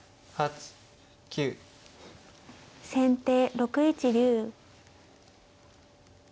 先手６一竜。